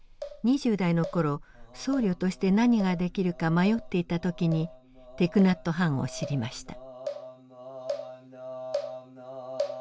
２０代の頃僧侶として何ができるか迷っていた時にティク・ナット・ハンを知りました。